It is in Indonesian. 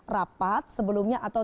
rapat sebelumnya atau